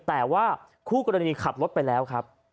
แต่ว่าคู่กรณีขับรถไปแล้วครับ